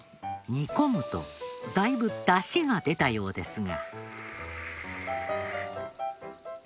煮込むとだいぶダシが出たようですが。